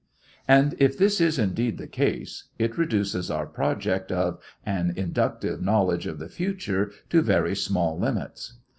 And if this is indeed the case, it reduces our project of an inductive knowledge of the future to very small limits.